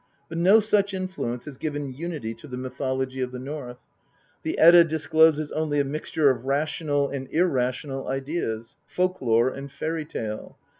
But no such influence has given unity to the mythology of the North. The Edda discloses only a mixture of rational and irrational ideas, folk lore, and fairy tale.